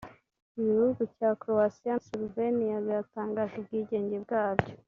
Ibihugu cya Croatia na Slovenia byatangaje ubwigenge bwabyo